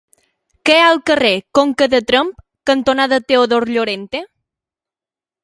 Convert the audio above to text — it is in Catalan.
Què hi ha al carrer Conca de Tremp cantonada Teodor Llorente?